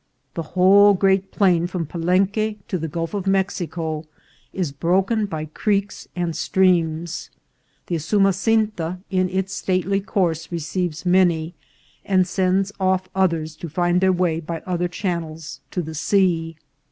The whole great plain from Palenque to the Gulf of Mexico is broken by creeks and streams. The Usumasinta in its stately course receives many, and sends off others to find their way by other channels to the sea.